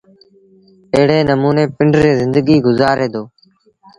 ايڙي نموٚني پنڊريٚ زندگيٚ گزآري دو۔